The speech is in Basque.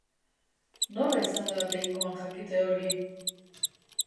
Nola izan da behingoan jakite hori?